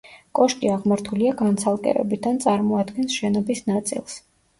კოშკი აღმართულია განცალკევებით, ან წარმოადგენს შენობის ნაწილს.